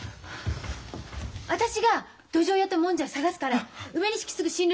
私がどじょう屋ともんじゃ捜すから梅錦すぐ診療所へ運んで。